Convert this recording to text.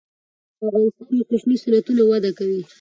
په افغانستان کې کوچني صنعتونه وده کوي.